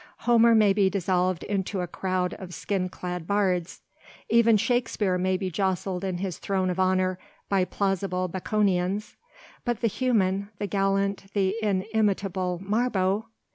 Homer may be dissolved into a crowd of skin clad bards. Even Shakespeare may be jostled in his throne of honour by plausible Baconians; but the human, the gallant, the inimitable Marbot!